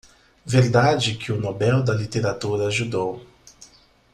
Verdade que o Nobel da Literatura ajudou